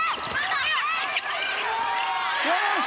よし！